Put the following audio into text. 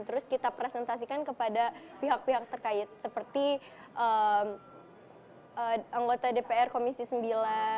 terus kita presentasikan kepada pihak pihak terkait seperti anggota dpr komisi sembilan